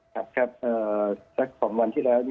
ครับครับสัก๒วันที่แล้ว